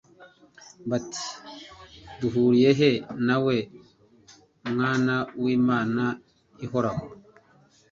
bati : «Duhuriye he nawe Mwana w'Imana ihoraho?